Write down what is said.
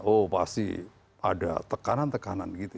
oh pasti ada tekanan tekanan gitu